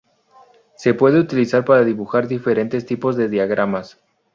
Se puede utilizar para dibujar diferentes tipos de diagramas.